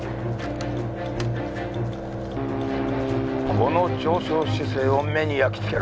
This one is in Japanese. この上昇姿勢を目に焼き付けろ！